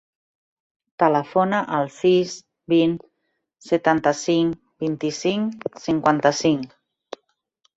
Telefona al sis, vint, setanta-cinc, vint-i-cinc, cinquanta-cinc.